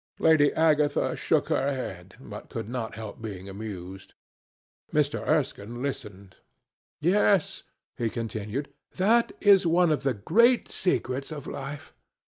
Lady Agatha shook her head, but could not help being amused. Mr. Erskine listened. "Yes," he continued, "that is one of the great secrets of life.